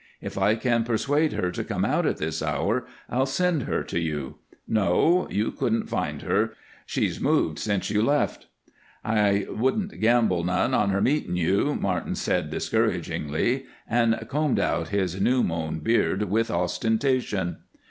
If I can persuade her to come out at this hour I'll send her to you. No, you couldn't find her. She's moved since you left." "I wouldn't gamble none on her meetin' you," Martin said, discouragingly, and combed out his new mown beard with ostentation.